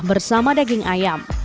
bersama daging ayam